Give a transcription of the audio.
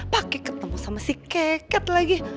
pakai ketemu sama si keket lagi